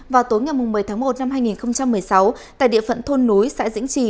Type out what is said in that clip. vào tối ngày một mươi tháng một năm hai nghìn một mươi sáu tại địa phận thôn núi xã dĩnh trì